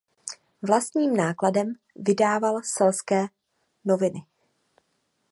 Vlastním nákladem vydával "Selské noviny".